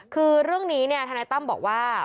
คือเรื่องนี้เนี่ยทนายตั้มบอกว่า